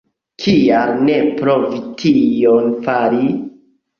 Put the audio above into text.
Kial ne provi tion fari?